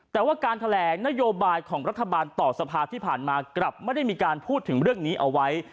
แต่ว่าการแถลงนโยบายของรัฐบาลต่อสภาที่ผ่านมากลับไม่ได้มีการพูดถึงเรื่องนี้เอาไว้